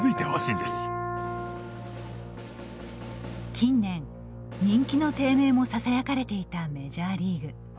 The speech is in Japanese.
近年人気の低迷もささやかれていたメジャーリーグ。